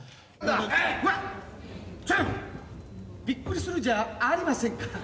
びっくりするじゃありませんか。